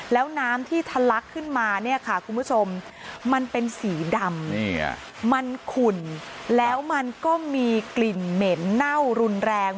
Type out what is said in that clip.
แล้วน้ำที่ทะลักขึ้นมาเนี่ยค่ะคุณผู้ชมมันเป็นสีดำมันขุ่นแล้วมันก็มีกลิ่นเหม็นเน่ารุนแรง